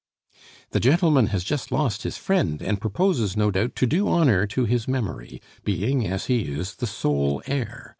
"The gentleman has just lost his friend, and proposes, no doubt, to do honor to his memory, being, as he is, the sole heir.